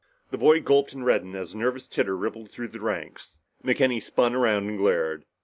The boy gulped and reddened as a nervous titter rippled through the ranks. McKenny spun around and glared.